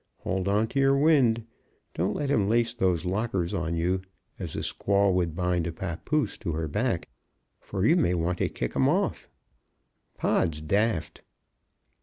Hold on to your wind. Don't let him lace those lockers on you, as a squaw would bind a pappoose to her back, for you may want to kick 'em off. Pod's daft."